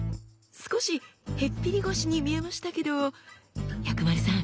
少しへっぴり腰に見えましたけど薬丸さん